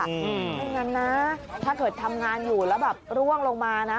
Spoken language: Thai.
ไม่งั้นนะถ้าเกิดทำงานอยู่แล้วแบบร่วงลงมานะ